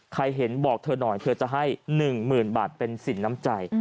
ใครเห็นบอกเธอหน่อยเธอจะให้๑๐๐๐บาทเป็นสินน้ำใจ